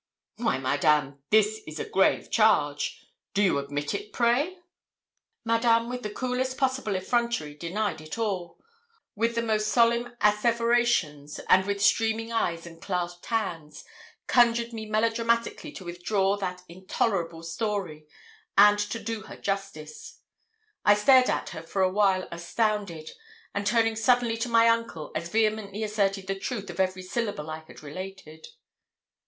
'Why, Madame, this is a grave charge! Do you admit it, pray?' Madame, with the coolest possible effrontery, denied it all; with the most solemn asseverations, and with streaming eyes and clasped hands, conjured me melodramatically to withdraw that intolerable story, and to do her justice. I stared at her for a while astounded, and turning suddenly to my uncle, as vehemently asserted the truth of every syllable I had related.